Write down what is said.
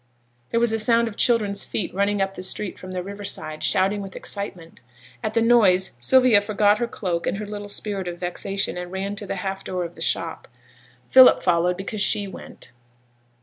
There was a sound of children's feet running up the street from the river side, shouting with excitement. At the noise, Sylvia forgot her cloak and her little spirit of vexation, and ran to the half door of the shop. Philip followed because she went.